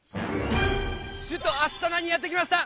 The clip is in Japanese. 首都アスタナにやって来ました